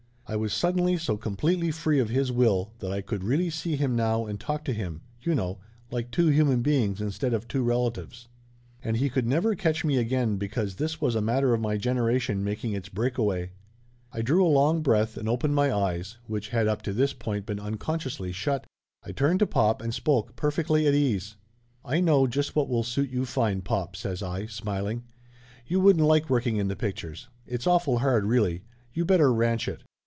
I was suddenly so completely free of his will that I could really see him now and talk to him you know like two human beings instead of two relatives. And he could never catch me again because this was a mat ter of my generation making its breakaway. I drew a Laughter Limited 245 long breath and opened my eyes, which had up to this point been unconsciously shut. I turned to pop and spoke, perfectly at ease. "I know just what will suit you fine, pop!" says I, smiling. "You wouldn't like working in the pictures. It's awful hard, really. You better ranch it."